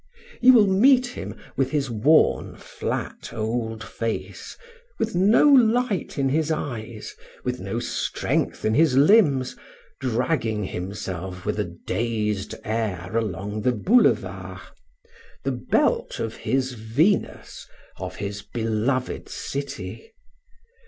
You will meet him, with his worn, flat old face, with no light in his eyes, with no strength in his limbs, dragging himself with a dazed air along the boulevard the belt of his Venus, of his beloved city.